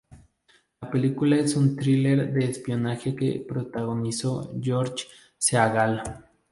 La película es un thriller de espionaje que protagonizó George Seagal.